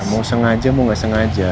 mau sengaja mau nggak sengaja